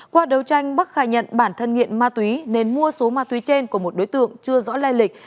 qua đấu tranh bắc khai nhận bản thân nghiện ma túy nên mua số ma túy trên của một đối tượng chưa rõ lai lịch